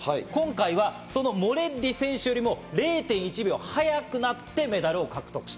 今回はそのモレッリ選手よりも０．１秒速くなってメダルを獲得した。